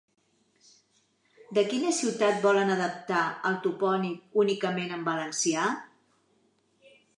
De quina ciutat volen adaptar el topònim únicament en valencià?